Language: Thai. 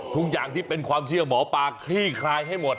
ทุกอย่างที่เป็นความเชื่อหมอปลาคลี่คลายให้หมด